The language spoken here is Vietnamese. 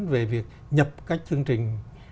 về việc nhập các chương trình